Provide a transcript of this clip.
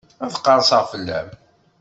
Ad qerseɣ fell-am.